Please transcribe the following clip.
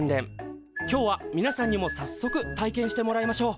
今日はみなさんにもさっそく体験してもらいましょう。